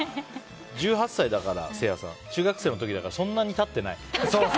１８歳だから。中学生の時だからそんなに経ってない。